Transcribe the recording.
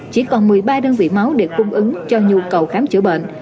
chỉ còn một mươi ba đơn vị máu để cung ứng cho nhu cầu khám chữa bệnh